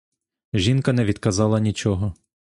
Жінка не відказала нічого.